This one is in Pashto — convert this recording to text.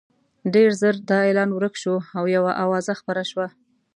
ډېر ژر دا اعلان ورک شو او یوه اوازه خپره شوه.